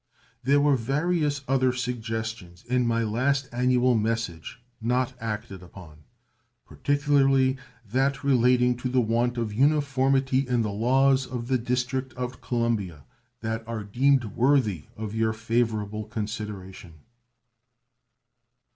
There were various other suggestions in my last annual message not acted upon, particularly that relating to the want of uniformity in the laws of the District of Columbia, that are deemed worthy of your favorable consideration.